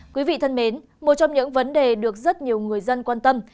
quý vị thân mến một trong những vấn đề được rất nhiều người dân quan tâm